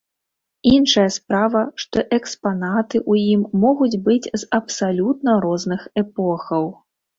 Іншая справа, што экспанаты ў ім могуць быць з абсалютна розных эпохаў.